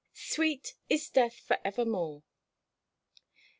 "SWEET IS DEATH FOR EVERMORE."